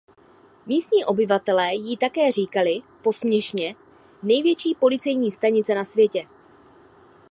Místní obyvatelé ji také říkali posměšně "největší policejní stanice na světě".